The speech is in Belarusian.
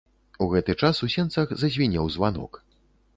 У гэты час у сенцах зазвінеў званок.